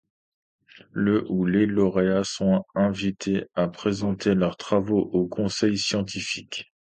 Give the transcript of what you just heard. Le ou les lauréats sont invités à présenter leurs travaux au conseil scientifique.